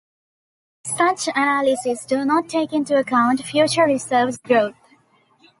Such analyses do not take into account future reserves growth.